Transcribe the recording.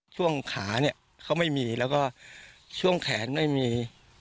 ช่วงขาเนี่ยเขาไม่มีแล้วก็ช่วงแขนไม่มี